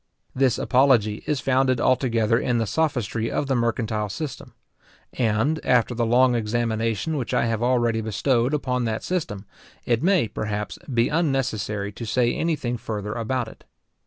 This apology is founded altogether in the sophistry of the mercantile system; and, after the long examination which I have already bestowed upon that system, it may, perhaps, be unnecessary to say anything further about it.